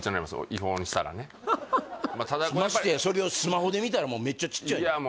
違法にしたらねましてやそれをスマホで見たらめっちゃちっちゃいいや